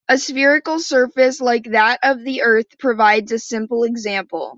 A spherical surface like that of the Earth provides a simple example.